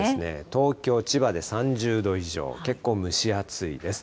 東京、千葉で３０度以上、結構蒸し暑いです。